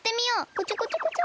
こちょこちょこちょ。